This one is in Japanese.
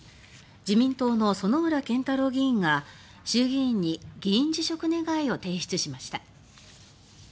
自民党の薗浦健太郎議員が衆議院に議員辞職願を提出しました。